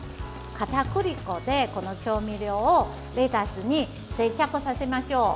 片栗粉で、この調味料をレタスに接着させましょう。